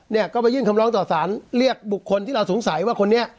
เนี่ยก็ไปยื่นคำร้องต่อสารเรียกบุคคลที่เราสงสัยว่าคนนี้